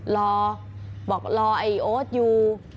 รอบอกรอไอ้โอ๊ตอยู่